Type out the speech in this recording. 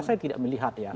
saya tidak melihat ya